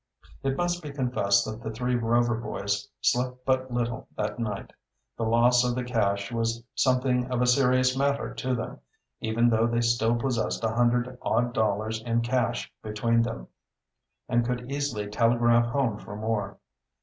It must be confessed that the three Rover boys slept but little that night. The loss of the cash was something of a serious matter to them, even though they still possessed a hundred odd dollars in cash between them, and could easily telegraph home for more.